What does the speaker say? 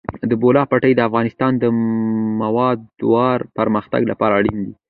د بولان پټي د افغانستان د دوامداره پرمختګ لپاره اړین دي.